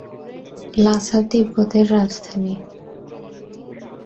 লাসা তিব্বত এর রাজধানী।